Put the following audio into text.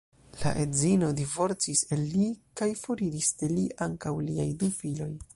La edzino divorcis el li kaj foriris de li ankaŭ liaj du filoj.